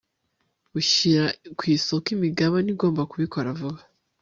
ushyira ku isoko imigabane agomba kubikora vuba